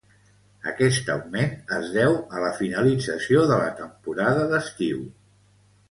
Aquest augment es deu a la finalització de la temporada d'estiu.